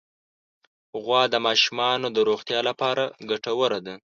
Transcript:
غوا د ماشومانو د روغتیا لپاره ګټوره ده.